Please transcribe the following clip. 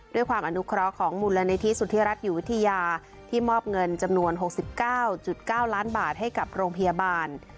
ด้วยความอนุเคราะห์ของมูลนิธิสุธิรัฐอยู่วิทยาที่มอบเงินจำนวน๖๙๙ล้านบาทให้กับโรงพยาบาล